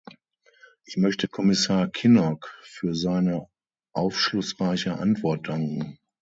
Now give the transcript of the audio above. Ich möchte Kommissar Kinnock für seine aufschlussreiche Antwort danken.